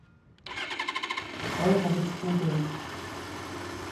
Euro betrugen.